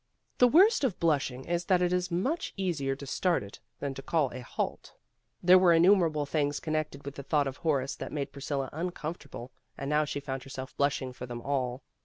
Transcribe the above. The worst of blushing is that it is much easier to start it than to call a halt. There were innumerable things connected with the thought of Horace that made Priscilla uncomfortable, and now she found herself blushing for them all.